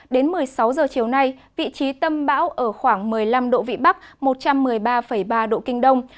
đến một mươi sáu h chiều nay vị trí tâm bão ở khoảng một mươi năm độ vị bắc một trăm một mươi ba ba độ kinh đông